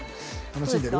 楽しんでる？